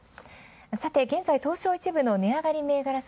さて現在東証１部の値上がり銘柄数、